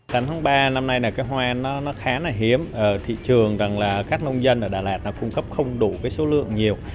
tại tháng ba năm nay hoa khá hiếm thị trường các nông dân ở đà lạt cung cấp không đủ số lượng nhiều